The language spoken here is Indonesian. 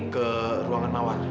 ke ruangan mawar